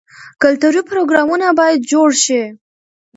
کلتوري پروګرامونه باید جوړ شي.